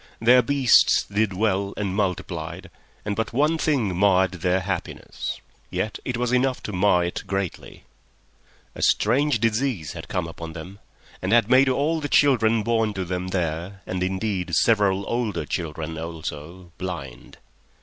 Their beasts did well and multiplied, and but one thing marred their happiness. Yet it was enough to mar it greatly. A strange disease had come upon them and had made all the children born to them there—and, indeed, several older children also—blind.